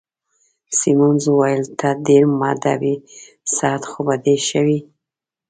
سیمونز وویل: ته ډېر مودب يې، صحت خو به دي ښه وي؟